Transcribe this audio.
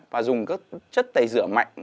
và dùng các chất tẩy rửa mạnh